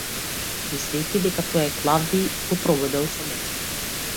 Мислејќи дека е тоа Клавдиј, го прободел со меч.